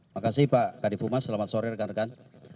makasih pak kadif umar selamat sore rekan rekan